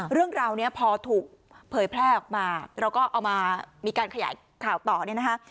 เรื่องราวนี้พอถูกเผยแพร่ออกมาเราก็เอามามีการขยายข่าวต่อเนี่ยนะคะ